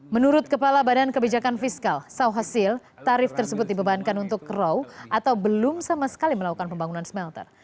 menurut kepala badan kebijakan fiskal saw hasil tarif tersebut dibebankan untuk row atau belum sama sekali melakukan pembangunan smelter